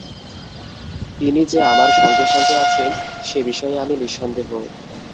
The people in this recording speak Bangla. তিনি যে আমার সঙ্গে সঙ্গে আছেন, সে বিষয়ে আমি নিঃসন্দেহ।